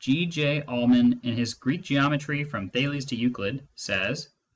G. J. Allman, in his Greek Geometry from Thales to Euclid^ says (p.